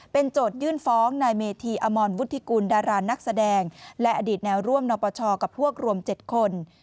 โจทยื่นฟ้องนายเมธีอมรวุฒิกุลดารานักแสดงและอดีตแนวร่วมนปชกับพวกรวม๗คน